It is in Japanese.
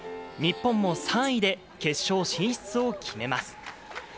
日本も３位で、決勝進出を決めます。